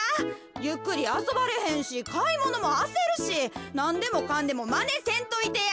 ゆっくりあそばれへんしかいものもあせるしなんでもかんでもまねせんといてや。